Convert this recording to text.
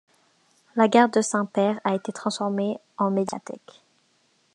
La gare de Saint Pair a été transformée en médiateque.